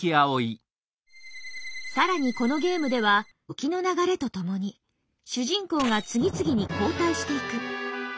更にこのゲームでは時の流れとともに主人公が次々に交代していく。